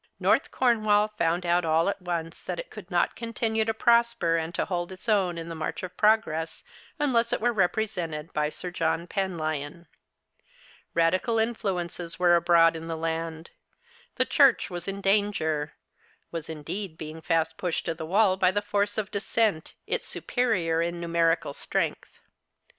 North Cornwall found out all at once that it could not continue to prosper and to hold its own in the march of progress unless it were repre sented by Sir John Penlyon. Radical influences were abroad in the land. The Church was in danger, was indeed being fast pushed to the wall by the force of Dissent, its superior in numerical strength.